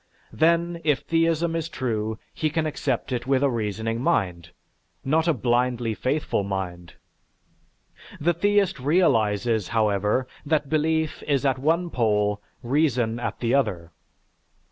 Then, if theism is true, he can accept it with a reasoning mind, not a blindly faithful mind. The theist realizes, however, that belief is at one pole, reason at the other.